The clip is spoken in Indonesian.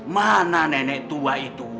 mana nenek tua itu